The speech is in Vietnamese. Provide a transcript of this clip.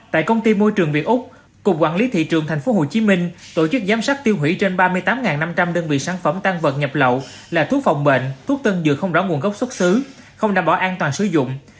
tại công ty môi trường việt úc cục quản lý thị trường tp hcm tổ chức giám sát tiêu hủy trên ba mươi tám năm trăm linh đơn vị sản phẩm tan vật nhập lậu là thuốc phòng bệnh thuốc tân dược không rõ nguồn gốc xuất xứ không đảm bảo an toàn sử dụng